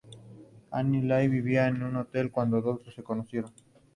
Amy Leslie vivía en el hotel cuando los dos se conocieron.